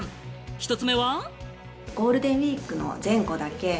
１つ目は。